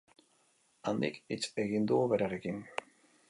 Handik hitz egin dugu berarekin.